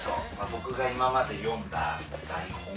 僕が今まで読んだ台本。